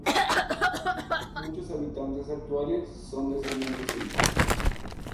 Muchos habitantes actuales son descendientes suyos.